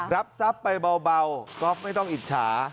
รับทรัพย์ไปเบาก๊อฟไม่ต้องอิจฉา